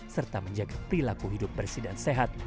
serta menjaga perilaku hidup bersih dan sehat